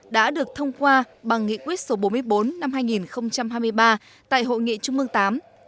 đã được thông qua bằng nghị quyết số bốn mươi bốn năm hai nghìn hai mươi ba tại hội nghị trung mương viii